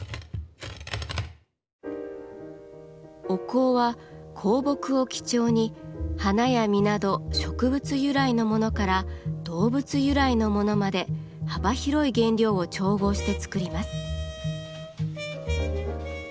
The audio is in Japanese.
お香は香木を基調に花や実など植物由来のものから動物由来のものまで幅広い原料を調合して作ります。